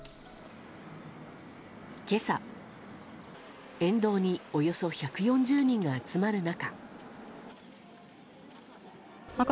今朝、沿道におよそ１４０人が集まる中。